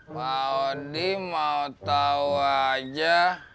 pak udin mau tahu aja